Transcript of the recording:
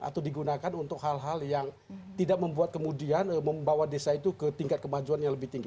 atau digunakan untuk hal hal yang tidak membuat kemudian membawa desa itu ke tingkat kemajuan yang lebih tinggi